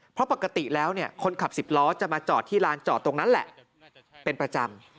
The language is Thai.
เพราะปกติแล้วคนขับสิบล้อจะมาจอดที่ลานจอดตรงนั้นแหละเป็นประจำ